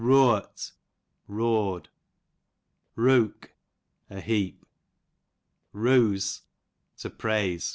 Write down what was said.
Rooart, roared. Rook, a heap. Rooze, to praise.